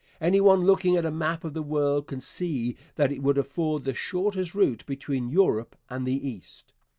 Any one looking at a map of the world can see that it would afford the shortest route between Europe and the East.